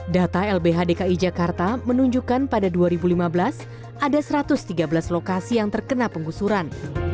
data lbh dki jakarta menunjukkan pada dua ribu lima belas ada satu ratus tiga belas lokasi yang terkena penggusuran